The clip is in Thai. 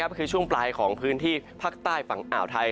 คือช่วงปลายของพื้นที่ภาคใต้ฝั่งอ่าวไทย